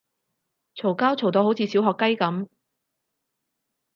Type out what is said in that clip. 嘈交嘈到好似小學雞噉